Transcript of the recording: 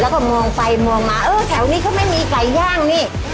แล้วก็มองไปมองมาเออแถวนี้เขาไม่มีไก่ย่างนี่